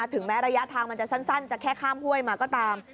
ถึงแม้ระยะทางมันจะสั้นจะแค่ข้ามห้วยมาก็ตาม